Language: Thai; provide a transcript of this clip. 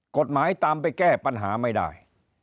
กฎหมายตามไปแก้ปัญหาไม่ได้